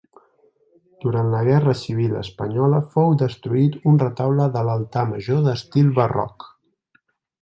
Durant la Guerra Civil espanyola fou destruït un retaule de l'altar major d'estil barroc.